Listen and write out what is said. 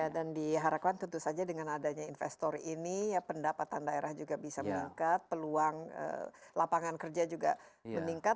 dan diharapkan tentu saja dengan adanya investor ini pendapatan daerah juga bisa meningkat peluang lapangan kerja juga meningkat